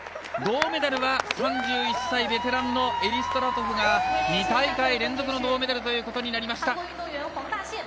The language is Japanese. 銅メダルは３１歳ベテランのエリストラトフが２大会連続の銅メダルということになりました。